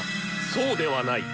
そうではない！